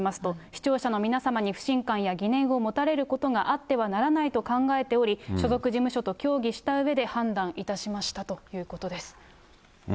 視聴者の皆さんに不信感や疑念を持たれることがあってはならないと考えており、所属事務所と協議したうえで判断いたしましたということです。